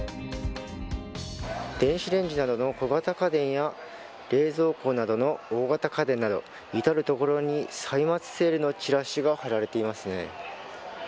電子レンジなどの小型家電や冷蔵庫などの大型家電など至る所に歳末セールのチラシが貼られていますね。